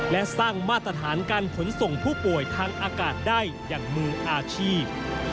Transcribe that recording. และสร้างมาตรฐานการขนส่งผู้ป่วยทางอากาศได้อย่างมืออาชีพ